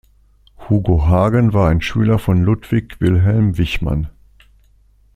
Hugo Hagen war ein Schüler von Ludwig Wilhelm Wichmann.